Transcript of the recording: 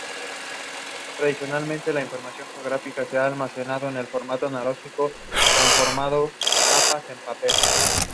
Military education in Bulgaria is provided in military universities and academies.